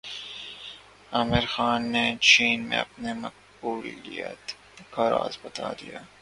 عامر خان نے چین میں اپنی مقبولیت کا راز بتادیا